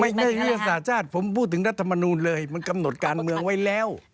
ยุทธศาสตร์ชาติผมพูดถึงรัฐมนูลเลยมันกำหนดการเมืองไว้แล้ว